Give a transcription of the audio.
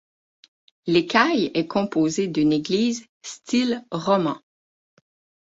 L'Écaille est composée d'une église style roman.